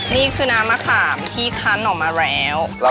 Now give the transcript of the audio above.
นี่คือน้ำมะขามที่คั้นออกมาแล้ว